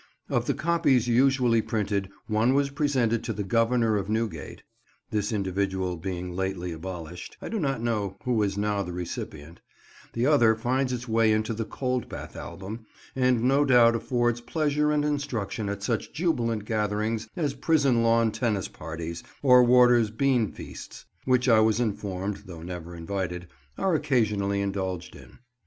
Of the copies usually printed one was presented to the Governor of Newgate (this individual being lately abolished, I do not know who is now the recipient), the other finds its way into the Coldbath album, and no doubt affords pleasure and instruction at such jubilant gatherings as prison lawn tennis parties, or warders' beanfeasts, which I was informed (though never invited) are occasionally indulged in.